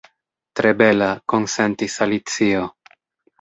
"Tre bela," konsentis Alicio.